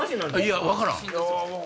いや分からん。